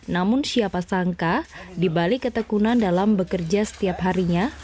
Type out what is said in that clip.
namun siapa sangka dibalik ketekunan dalam bekerja setiap harinya